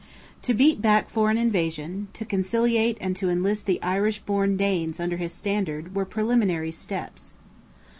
To beat back foreign invasion, to conciliate and to enlist the Irish born Danes under his standard, were preliminary steps.